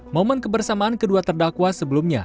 momen kebersamaan kedua terdakwa sebelumnya